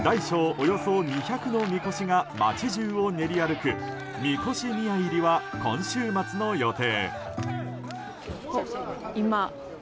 およそ２００のみこしが街中を練り歩く神輿宮入は、今週末の予定。